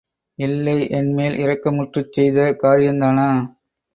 இல்லை என்மேல் இரக்கமுற்றுச் செய்த காரியந்தானா?